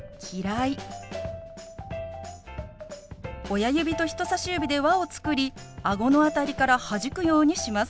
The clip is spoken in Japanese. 親指と人さし指で輪を作りあごの辺りからはじくようにします。